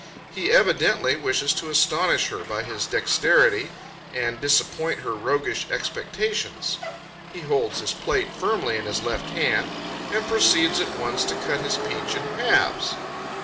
He evidently wishes to astonish her by his dexterity, and disappoint her roguish expectations. He holds his plate firmly in his left hand, and proceeds, at once, to cut his peach in halves.